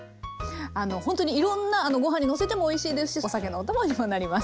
あのほんとにいろんなご飯にのせてもおいしいですしお酒のお供にもなります。